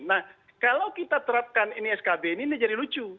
nah kalau kita terapkan ini skb ini ini jadi lucu